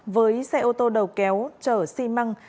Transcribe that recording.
với xe ô tô đầu kéo chở xi măng